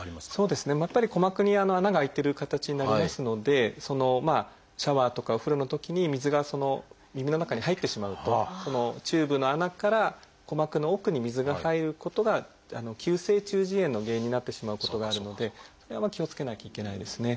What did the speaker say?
やっぱり鼓膜に穴が開いてる形になりますのでシャワーとかお風呂のときに水が耳の中に入ってしまうとチューブの穴から鼓膜の奥に水が入ることが急性中耳炎の原因になってしまうことがあるのでそれは気をつけなきゃいけないですね。